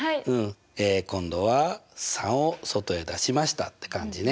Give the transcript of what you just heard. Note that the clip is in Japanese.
え今度は３を外へ出しましたって感じね。